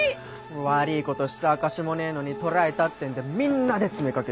悪ぃことした証しもねぇのに捕らえたってんでみんなで詰めかけてよ。